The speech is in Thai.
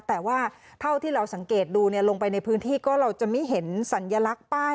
แต่ว่าเท่าที่เราสังเกตดูลงไปในพื้นที่ก็เราจะไม่เห็นสัญลักษณ์ป้าย